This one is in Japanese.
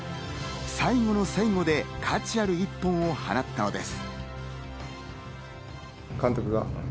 最後の最後で価値ある一本を放ったのです。